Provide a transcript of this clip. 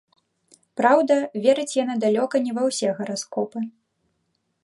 Праўда, верыць яна далёка не ва ўсе гараскопы.